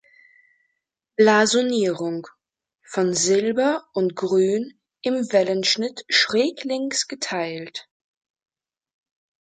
Blasonierung: „Von Silber und Grün im Wellenschnitt schräglinks geteilt.